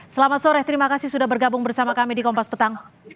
selamat sore terima kasih sudah bergabung bersama kami di kompas petang